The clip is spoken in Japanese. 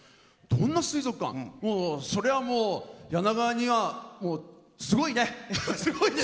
どんな水族館それは、もう柳川には、すごい、ね。